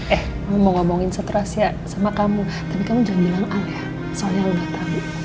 eh mau ngomongin seterusnya sama kamu tapi kamu jangan bilang al ya soalnya lo gak tau